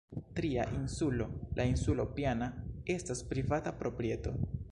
Tria insulo, la insulo Piana, estas privata proprieto.